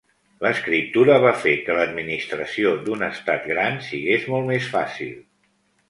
L'escriptura va fer que l'administració d'un estat gran sigués molt més fàcil.